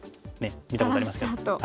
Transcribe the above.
見たことありますね。